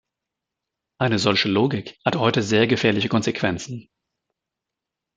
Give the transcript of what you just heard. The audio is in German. Eine solche Logik hat heute sehr gefährliche Konsequenzen.